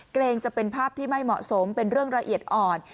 เกรงจะเป็นภาพที่ไม่เหมาะสมเป็นเรื่องละเอียดอ่อน